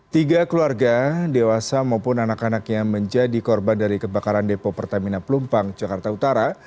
tiga keluarga dewasa maupun anak anaknya menjadi korban dari kebakaran depo pertamina pelumpang jakarta utara